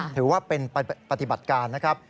ถือว่าเป็นปฏิบัติการนะครับ